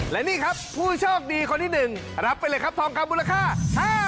และนี่ครับผู้โชคดีคนที่หนึ่งรับไปเลยครับทองคามูลค่า๕๐๐๐๐บาท